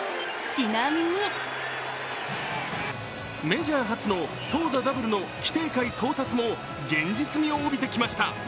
メジャー初の投打ダブルの規定回到達も現実味を帯びてきました。